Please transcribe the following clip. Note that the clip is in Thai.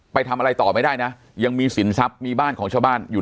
ไปทำอะไรต่อไม่ได้นะยังมีสินทรัพย์มีบ้านของชาวบ้านอยู่